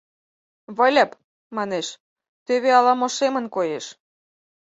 — Выльып, — манеш, — тӧвӧ, ала-мо шемын коеш.